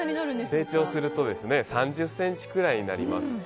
成長すると３０ｃｍぐらいになります。